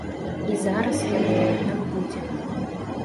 І зараз, я думаю, так будзе.